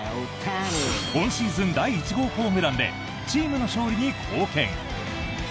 今シーズン第１号ホームランでチームの勝利に貢献！